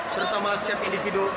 terutama setiap individu